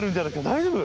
大丈夫？